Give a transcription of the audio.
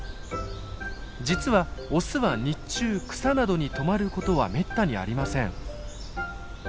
実はオスは日中草などに止まることはめったにありません。